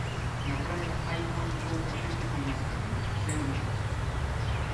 Na praia hai moi pouca xente con máscara, no paseo non.